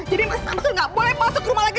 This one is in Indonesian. jadi mas samsul gak boleh masuk rumah lagi